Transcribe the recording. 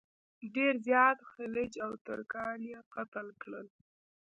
ډېر زیات خلج او ترکان یې قتل کړل.